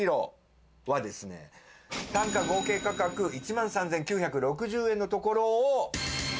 単品合計価格１万３９６０円のところを。